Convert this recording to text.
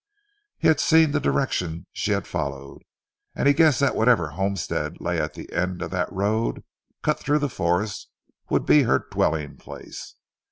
He had seen the direction she had followed, and he guessed that whatever homestead lay at the end of that road cut through the forest would be her dwelling place.